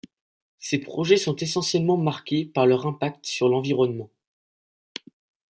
Ces projets sont essentiellement marqués par leur impact sur l'environnement.